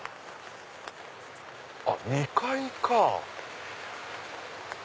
あっ２階か。